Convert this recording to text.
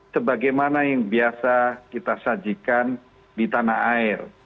sebagaimana yang biasa kita sajikan di tanah air